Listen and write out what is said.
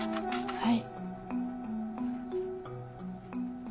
はい。